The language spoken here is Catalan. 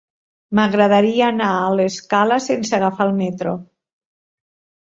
M'agradaria anar a l'Escala sense agafar el metro.